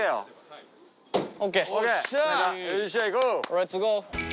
レッツゴー。